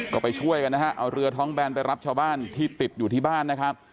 ก็ไปช่วยกันนะฮะเอาเรือท้องแบนไปรับชาวบ้านที่ติดอยู่ที่บ้านนะครับ